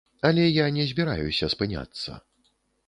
Але я не збіраюся спыняцца.